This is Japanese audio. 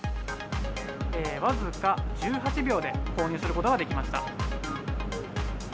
僅か１８秒で購入することができました。